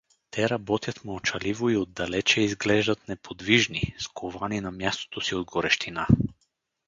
Те работят мълчаливо и отдалече изглеждат неподвижни, сковани на мястото си от горещина.